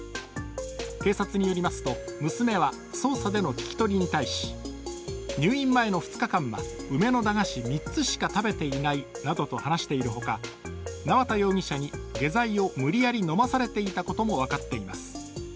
警察によりますと、娘は捜査での聞き取りに対し、入院前の２日間は梅の駄菓子３つしか食べていないなどと話しているほか、縄田容疑者に下剤を無理やり飲まされていたことも分かっています。